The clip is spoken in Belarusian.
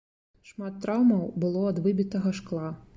Шмат траўмаў было ад выбітага шкла.